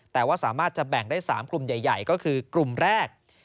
แต่ว่าสามารถจะแบ่งได้๓กลุ่มใหญ่ก็คือกลุ่มแรก